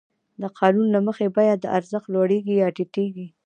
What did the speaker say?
د قانون له مخې بیه له ارزښت لوړېږي یا ټیټېږي